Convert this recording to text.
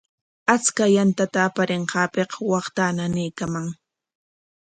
Achka yantata aparinqaapik waqtaa nanaykaaman.